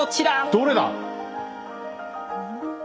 どれだ！